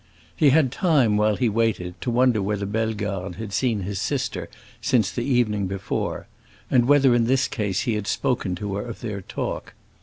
He had time, while he waited, to wonder whether Bellegarde had seen his sister since the evening before, and whether in this case he had spoken to her of their talk.